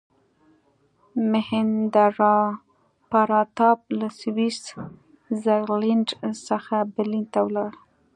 میهندراپراتاپ له سویس زرلینډ څخه برلین ته ولاړ.